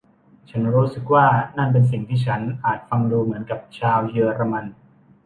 ฉันรู้สึกว่านั่นเป็นสิ่งที่ฉันอาจฟังดูเหมือนกับชาวเยอรมัน